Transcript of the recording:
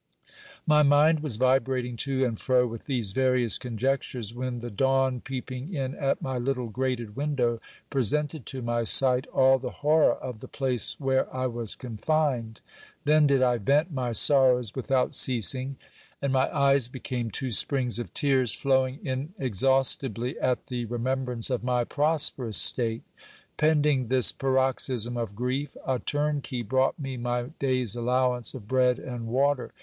My mind was vibrating to and fro with these various conjectures, when the dawn peeping in at my little grated window, presented to my sight all the hor ror of the place where I was confined. Then did I vent my sorrows without ceasing, and my eyes became two springs of tears, flowing inexhaustibly at the remembrance of my prosperous state. Pending this paroxysm of grief, a turn key brought me my day's allowance of bread and water.